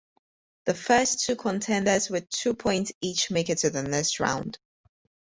The first two contenders with two points each make it to the next round.